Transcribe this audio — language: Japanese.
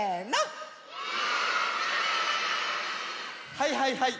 はいはいはい。